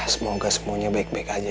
semoga semuanya baik baik aja